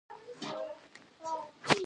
آیا کاناډا د کانونو قوانین نلري؟